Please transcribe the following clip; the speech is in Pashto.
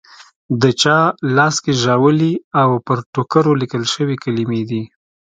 د چا لاس کې ژاولي او پر ټوکرو لیکل شوې کلیمې دي.